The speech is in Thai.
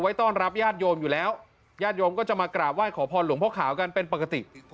ต้อนรับญาติโยมอยู่แล้วญาติโยมก็จะมากราบไห้ขอพรหลวงพ่อขาวกันเป็นปกติ